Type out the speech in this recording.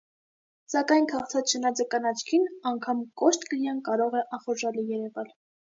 Սակայն քաղցած շնաձկան աչքին, անգամ կոշտ կրիան կարող է ախորժալի երևալ։